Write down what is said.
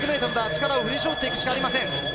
力を振り絞っていくしかありません。